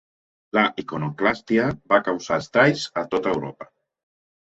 La iconoclàstia va causar estralls a tot Europa.